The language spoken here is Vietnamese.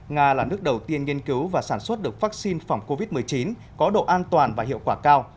nga là nước đầu tiên nghiên cứu và sản xuất được vaccine phòng covid một mươi chín có độ an toàn và hiệu quả cao